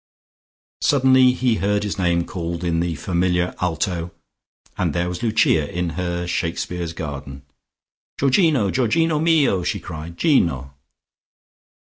Suddenly he heard his name called in the familiar alto, and there was Lucia in her Shakespeare's garden. "Georgino! Georgino mio!" she cried. "Gino!"